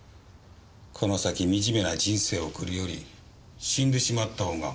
この先惨めな人生を送るより死んでしまった方がまだましだ。